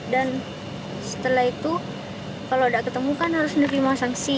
dan setelah itu kalau tidak ketemu kan harus menerima sanksi